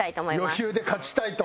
余裕で勝ちたいと？